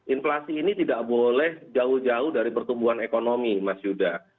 inflasi ini tidak boleh jauh jauh dari pertumbuhan ekonomi mas yuda